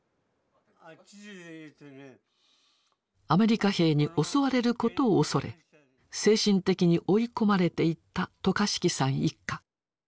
アメリカ兵に襲われることを恐れ精神的に追い込まれていった渡嘉敷さん一家。